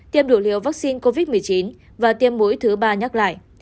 tiêm đủ liều vaccine covid một mươi chín và tiêm mũi thứ ba nhắc lại